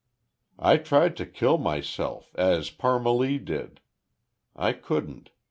I tried to kill myself, as Parmalee did. I couldn't....